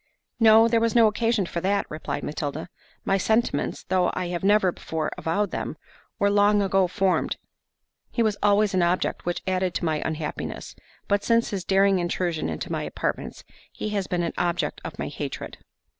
"No, there was no occasion for that," replied Matilda; "my sentiments (though I have never before avowed them) were long ago formed; he was always an object which added to my unhappiness; but since his daring intrusion into my apartments, he has been an object of my hatred."